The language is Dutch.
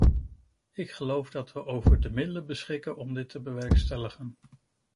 Ik geloof dat we over de middelen beschikken om dit te bewerkstelligen.